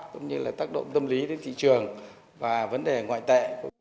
cũng như là tác động tâm lý đến thị trường và vấn đề ngoại tệ